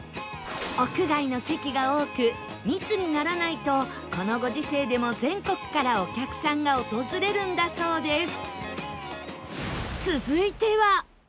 屋外の席が多く密にならないとこのご時世でも全国からお客さんが訪れるんだそうです